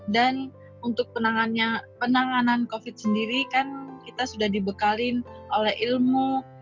dan untuk penanganan covid sembilan belas sendiri kan kita sudah dibekali oleh ilmu